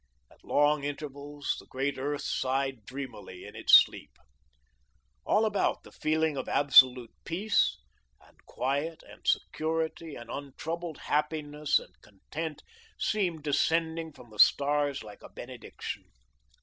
At long intervals the great earth sighed dreamily in its sleep. All about, the feeling of absolute peace and quiet and security and untroubled happiness and content seemed descending from the stars like a benediction.